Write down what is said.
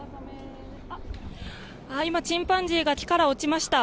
今、チンパンジーが木から落ちました。